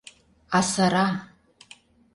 Асыра!